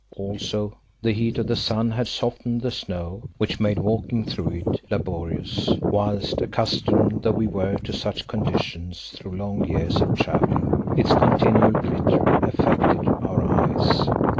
Also the heat of the sun had softened the snow, which made walking through it laborious, whilst, accustomed though we were to such conditions through long years of travelling, its continual glitter affected our eyes.